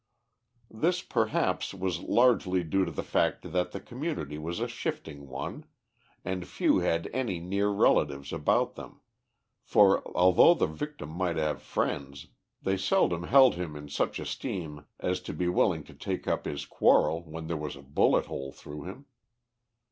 This perhaps was largely due to the fact that the community was a shifting one, and few had any near relatives about them, for, although the victim might have friends, they seldom held him in such esteem as to be willing to take up his quarrel when there was a bullet hole through him.